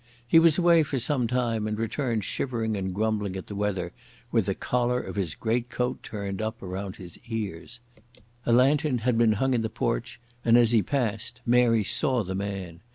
He was away for some time and returned shivering and grumbling at the weather, with the collar of his greatcoat turned up around his ears. A lantern had been hung in the porch and as he passed Mary saw the man.